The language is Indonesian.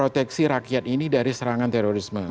proteksi rakyat ini dari serangan terorisme